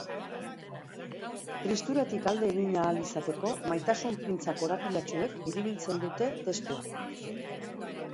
Tristuratik alde egin ahal izateko maitasun printza korapilatsuek biribiltzen dute testua.